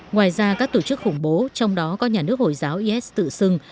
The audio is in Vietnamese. ngoài ra các tổ chức khủng bố trong đó có nhà nước hồi giáo is tự xưng